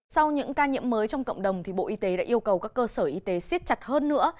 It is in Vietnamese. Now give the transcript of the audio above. sau những ca nhiễm mới trong cộng đồng bộ y tế đã yêu cầu các cơ sở y tế xiết chặt hơn nữa